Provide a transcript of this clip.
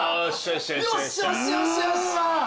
よしよしよしよし。